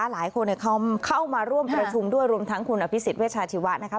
หลายคนเข้ามาร่วมประชุมด้วยรวมทั้งคุณอภิษฎเวชาชีวะนะคะ